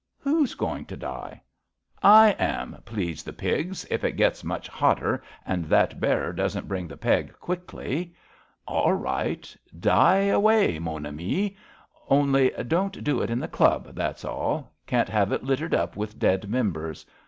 "Who's going to die? ''I am, please the pigs, if it gets much hotter and that bearer doesn't bring the peg quickly." AU right. Die away, mon ami. Only don't do it in the Club, that's all. Can't have it littered up with dead members.